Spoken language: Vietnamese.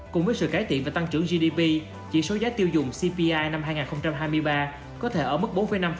cùng với sự cải thiện và tăng trưởng gdp chỉ số giá tiêu dùng cpi năm hai nghìn hai mươi ba có thể ở mức bốn năm